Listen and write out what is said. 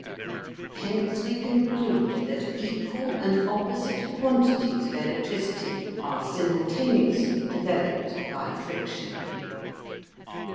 Hence we conclude that EQUAL AND OPPOSITE QUANTITIES OF ELECTRICITY ARE SIMULTANEOUSLY DEVELOPED BY FRICTION.